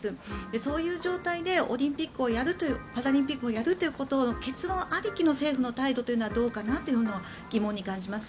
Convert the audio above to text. そういう状態でオリンピック・パラリンピックをやるという結論ありきの政府の態度というのはどうかなというのは疑問に感じます。